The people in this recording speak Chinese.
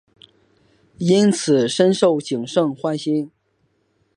因此深获景胜欢心。